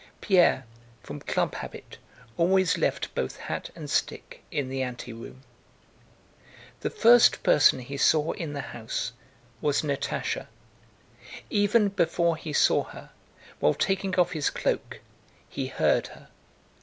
Pierre, from club habit, always left both hat and stick in the anteroom. The first person he saw in the house was Natásha. Even before he saw her, while taking off his cloak, he heard her.